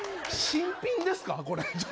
新品ですか、これ。